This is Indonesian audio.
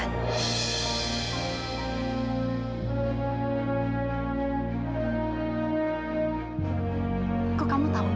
apa ini tentang perjodohan kamu dengan kak tovan